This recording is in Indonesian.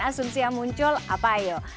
asunsi yang muncul apa yuk